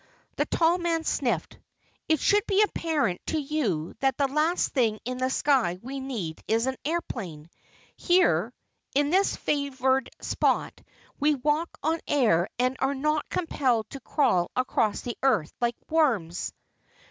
The tall man sniffed. "It should be apparent to you that the last thing in the sky we need is an airplane. Here, in this favored spot, we walk on air and are not compelled to crawl across the earth like worms."